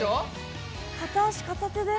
片足片手で？